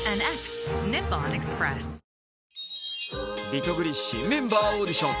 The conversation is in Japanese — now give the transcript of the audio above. リトグリ新メンバーオーディション。